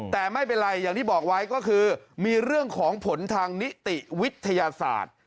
แต่ไม่เป็นไรอย่างที่บอกไว้ก็คือมีเรื่องของผลทางนิติวิทยาศาสตร์